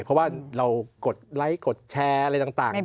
เพราะว่าเรากดไลค์กดแชร์อะไรต่าง